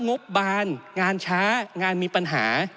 งบบานงานช้างานมีปัญหา